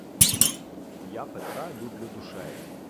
Я Петра люблю душею